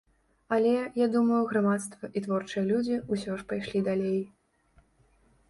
Але, я думаю, грамадства і творчыя людзі ўсё ж пайшлі далей.